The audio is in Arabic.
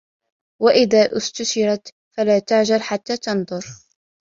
وَإِذَا اُسْتُشِرْتَ فَلَا تُعَجِّلْ حَتَّى تَنْظُرَ